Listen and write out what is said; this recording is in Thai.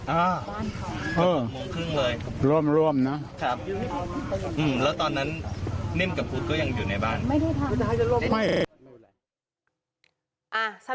ลองลืมรวมนะแล้วตอนนั้นนิ่มกับพูดก็ยังอยู่ในบ้าน